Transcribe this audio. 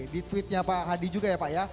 di tweetnya pak hadi juga ya pak ya